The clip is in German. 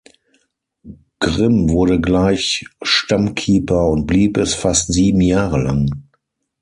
Grim wurde gleich Stammkeeper und blieb es fast sieben Jahre lang.